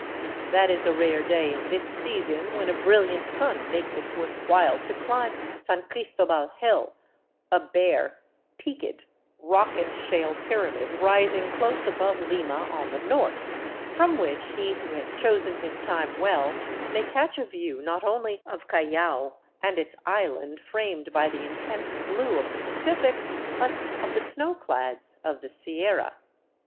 That is a rare day in this season when a brilliant sun makes it worth while to climb San Cristobal hill, a bare, peaked, rock and shale pyramid rising close above Lima on the north, from which he who has chosen his time well may catch a view not only of Callao and its island framed by the intense blue of the Pacific, but of the snow clads of the Sierra.